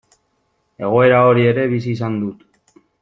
Egoera hori ere bizi izan dut.